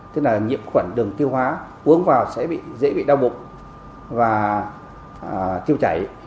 tức là nhiễm khuẩn đường tiêu hóa uống vào sẽ bị dễ bị đau bụng và tiêu chảy